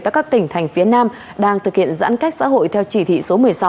tại các tỉnh thành phía nam đang thực hiện giãn cách xã hội theo chỉ thị số một mươi sáu